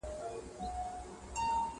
یو له بله بېلېدل سوه د دوستانو!!